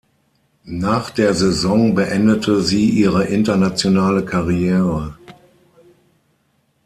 Nach der Saison beendete sie ihre internationale Karriere.